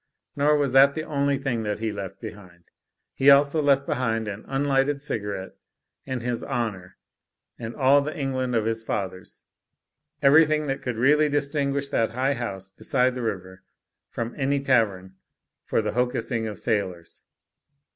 Nor was that the only thing that he left behind. He also left behind an unlighted cigarette and his honour and all the England of his father's; ever)rthing that could really distinguish that high house beside the river from any tavern for the hocussing of sailors.